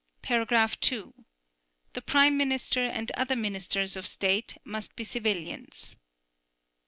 (2) The Prime Minister and other Minister of State must be civilians.